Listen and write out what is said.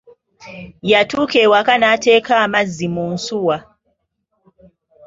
Yatuuka e waka n'ateeka amazzi mu nsuwa.